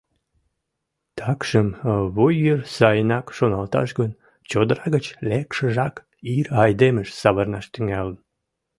Такшым вуй йыр сайынак шоналташ гын, чодыра гыч лекшыжак ир айдемыш савырнаш тӱҥалын.